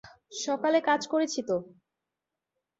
সকালে কাজ করেছি তো।